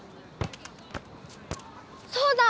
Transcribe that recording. そうだ！